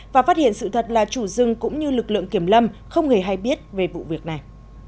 và phát hiện sự thật là chủ rừng cũng như lực lượng kiểm lâm không hề hay biết về vụ việc này